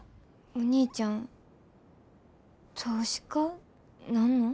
お兄ちゃん投資家なんの？